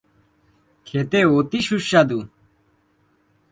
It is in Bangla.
খেতে অতি সুস্বাদু।